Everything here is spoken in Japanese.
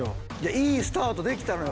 いいスタートできたのよ。